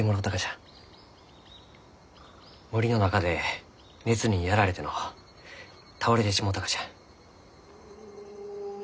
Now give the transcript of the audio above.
森の中で熱にやられてのう倒れてしもうたがじゃ。